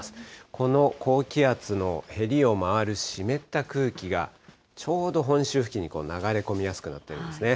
この高気圧のへりを回る湿った空気が、ちょうど本州付近に流れ込みやすくなってるんですね。